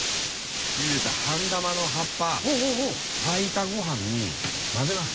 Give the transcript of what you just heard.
ゆでたハンダマの葉っぱ炊いたご飯に混ぜます。